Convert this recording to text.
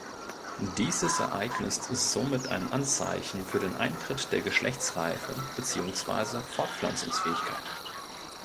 Dieses Ereignis ist somit ein Anzeichen für den Eintritt der Geschlechtsreife beziehungsweise Fortpflanzungsfähigkeit.